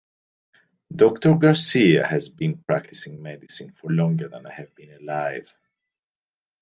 Doctor Garcia has been practicing medicine for longer than I have been alive.